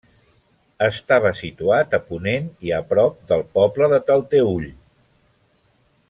Estava situat a ponent i a prop del poble de Talteüll.